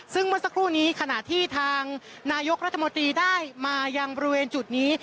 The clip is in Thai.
ซึ่งเมื่อสักครู่นี้ขณะที่ทางนายกรัฐมนตรีได้มายังบริเวณจุดนี้